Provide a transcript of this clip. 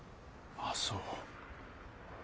ああそう。